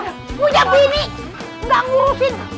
yang punya bini gak ngurusin